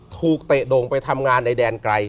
เตะโด่งไปทำงานในแดนไกล